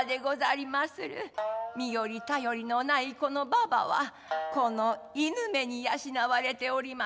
身寄り頼りのないこの婆はこの犬めに養われております。